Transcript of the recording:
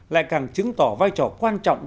lại càng chứng tỏ vai trò quan trọng